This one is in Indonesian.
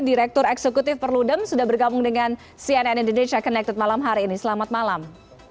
direktur eksekutif perludem sudah bergabung dengan cnn indonesia connected malam hari ini selamat malam